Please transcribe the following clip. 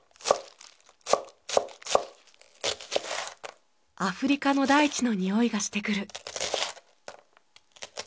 アフリカの大地の匂いがしてくる。